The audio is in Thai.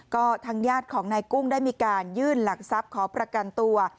ก็ทางญาติของนายกุ้งได้มีการยื่นหลักทรัพย์ขอประกันตัว